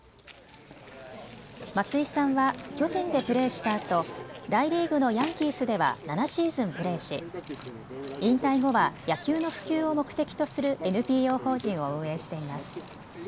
松井さんは巨人でプレーしたあと大リーグのヤンキースでは７シーズンプレーし引退後は野球の普及を目的とするＮＰＯ法人を運営しています。